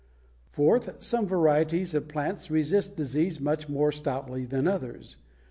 Fourth, some varieties of plants resist disease much more stoutly than others.